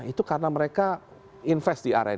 itu karena mereka investasi